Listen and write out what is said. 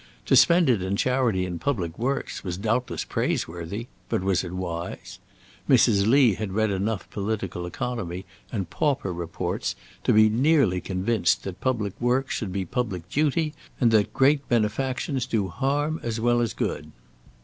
To spend it in charity and public works was doubtless praiseworthy, but was it wise? Mrs. Lee had read enough political economy and pauper reports to be nearly convinced that public work should be public duty, and that great benefactions do harm as well as good.